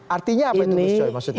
artinya apa itu